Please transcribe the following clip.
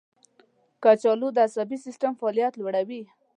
کچالو د عصبي سیستم فعالیت لوړوي.